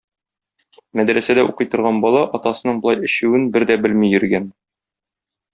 Мәдрәсәдә укый торган бала атасының болай эчүен бер дә белми йөргән.